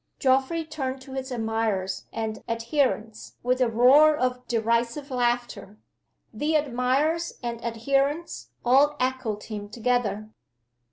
Geoffrey turned to his admirers and adherents with a roar of derisive laughter. The admirers and adherents all echoed him together.